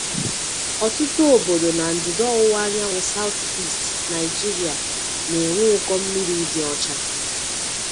Ọtụtụ obodo na ndịda ọwụwa anyanwụ (South East) Nigeria na-enwe ụkọ mmiri dị ọcha.